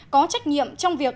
có trách nhiệm trong việc